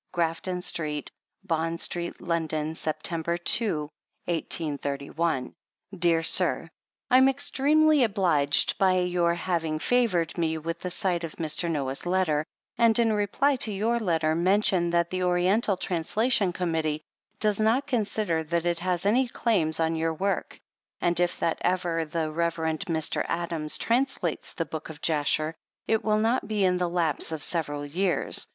Grafton St., Bond St., London, Sept. 2, 1831. Dear Sir : I am extremely obliged by your having favored me with the sight of Mr. Noah's letter, and in reply to your letter, mention that the Oriental Translation Committee does not consider that it has any claims on your work, and if that ever the Rev. Mr. Adams translates the Book of Jasher, it will not be in the lapse of several years.